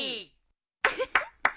ウフフ。